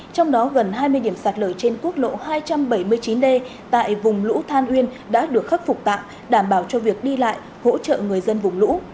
trong đó gần hai mươi điểm sạt lở trên quốc lộ hai trăm bảy mươi chín d tại vùng lũ than uyên đã được khắc phục tạm đảm bảo cho việc đi lại hỗ trợ người dân vùng lũ